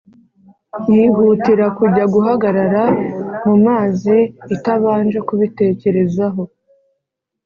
yihutira kujya guhagarara mu mazi itabanje kubitekerezaho